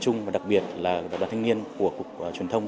của tổ quốc